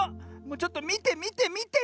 ちょっとみてみてみて。